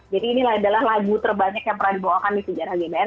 jadi ini adalah lagu terbanyak yang pernah dibawa kami sejarah jbn